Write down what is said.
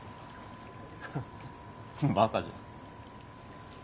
フッバカじゃ。